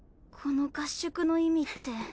この合宿の意味って。